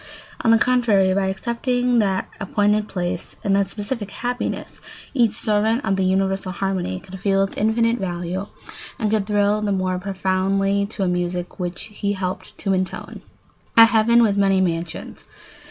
On the contrary, by accepting that appointed place and that specific happiness, each servant of the universal harmony could feel its infinite value and could thrill the more profoundly to a music which he helped to intone. [Sidenote: A heaven with many mansions.